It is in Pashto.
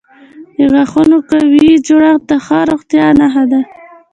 د غاښونو قوي جوړښت د ښه روغتیا نښه ده.